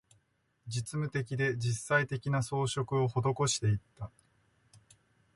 実務的で、実際的な、装飾を施していった